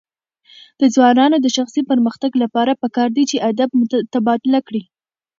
د ځوانانو د شخصي پرمختګ لپاره پکار ده چې ادب تبادله کړي.